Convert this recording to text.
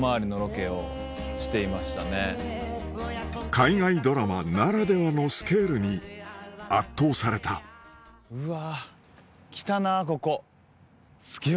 海外ドラマならではのスケールに圧倒されたうわ。